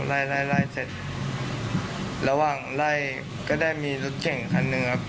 ไล่ไล่ไล่เสร็จระหว่างไล่ก็ได้มีรถเก่งคันหนึ่งครับ